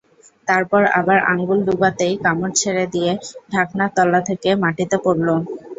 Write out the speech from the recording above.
তারপর আবার আঙুল ডুবাতেই কামড় ছেড়ে দিয়ে ঢাকনার তলা থেকে মাটিতে পড়ল।